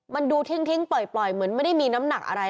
มันดูทิ้งปล่อยเหมือนไม่ได้มีน้ำหนักอะไร